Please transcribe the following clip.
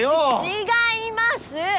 違います！